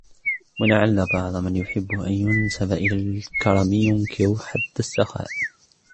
وَلَعَلَّ بَعْضَ مَنْ يُحِبُّ أَنْ يُنْسَبَ إلَى الْكَرَمِ يُنْكِرُ حَدَّ السَّخَاءِ